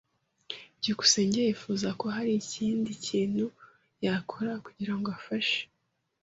byukusenge yifuzaga ko hari ikindi kintu yakora kugirango afashe.